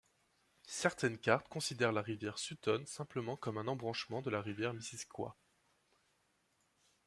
Certaines cartes considèrent la rivière Sutton simplement comme un embranchement de la rivière Missisquoi.